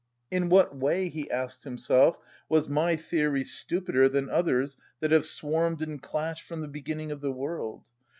"In what way," he asked himself, "was my theory stupider than others that have swarmed and clashed from the beginning of the world?